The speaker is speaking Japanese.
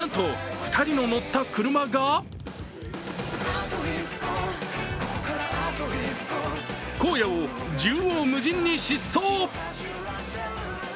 なんと２人の乗った車が荒野を縦横無尽に疾走。